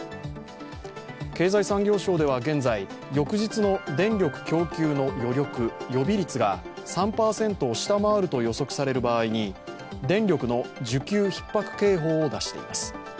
経済産業省では現在、翌日の電力供給の余力＝予備率が３％を下回ると予測される場合に電力の需給ひっ迫警報を出しています。